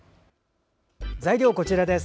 材料はこちらです。